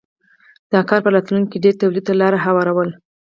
دا کار په راتلونکې کې ډېر تولید ته لار هواروله.